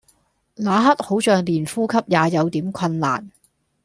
那刻好像連呼吸也有點困難